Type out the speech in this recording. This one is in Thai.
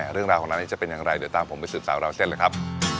เรื่องราวของร้านนี้จะเป็นอย่างไรเดี๋ยวตามผมไปสืบสาวราวเส้นเลยครับ